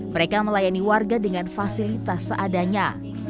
mereka melayani warga dengan fasilitas seadanya